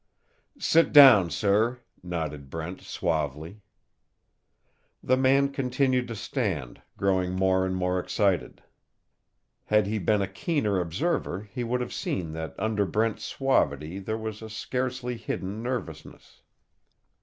"Sit down, sir," nodded Brent, suavely. The man continued to stand, growing more and more excited. Had he been a keener observer he would have seen that under Brent's suavity there was a scarcely hidden nervousness.